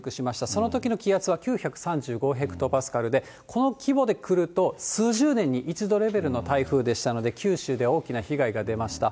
そのときの気圧は９３５ヘクトパスカルで、この規模で来ると、数十年の一度レベルの台風でしたので、九州では大きな被害が出ました。